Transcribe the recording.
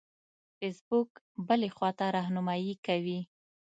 فیسبوک بلې خواته رهنمایي کوي.